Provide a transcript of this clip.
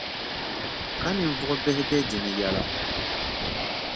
Ka ninvuɣʼ bihi be di ni yɛla.